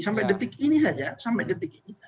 sampai detik ini saja sampai detik ini